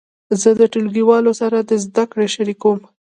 زه د ټولګیوالو سره زده کړه شریکوم.